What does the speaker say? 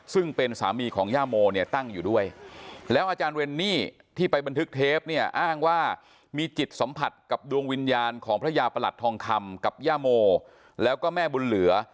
ซึ่งเป็นสามีของย่าโมเนี่ยตั้งอยู่ด้วยแล้วอาจารย์เรนนี่ที่ไปบันทึกเทปเนี่ยอ้างว่ามีจิตสัมผัสกับดวงวิญญาณของพระยาประหลัดทองคำกับย่าโมแล้วก็แม่บุญเหลือ